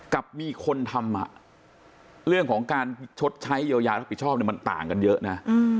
กับมีคนทำเรื่องของการชดใช้เยียวยารับผิดชอบมันต่างกันเยอะนะ